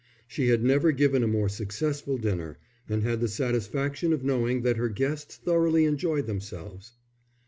She had never given a more successful dinner, and had the satisfaction of knowing that her guests thoroughly enjoyed themselves.